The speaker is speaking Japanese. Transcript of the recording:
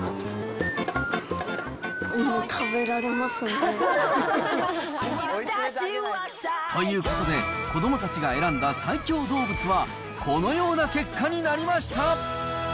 もう食べられますね。ということで、子どもたちが選んだ最強動物は、このような結果になりました。